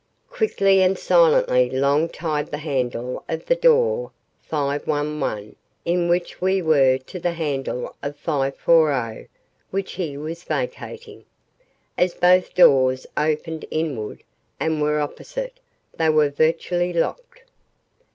Quickly and silently Long tied the handle of the door 511 in which we were to the handle of 540 which he was vacating. As both doors opened inward and were opposite, they were virtually locked.